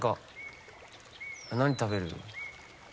何食べる？